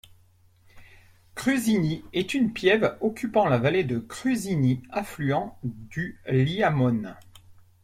Cruzini est une piève occupant la vallée du Cruzzini, affluent du Liamone.